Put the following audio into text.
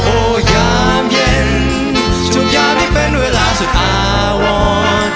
ยามเย็นทุกอย่างที่เป็นเวลาสุดอาวร